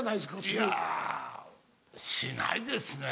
いやしないですね